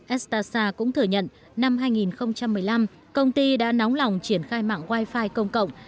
etesta cũng thừa nhận năm hai nghìn một mươi năm công ty đã nóng lòng triển khai mạng wifi công cộng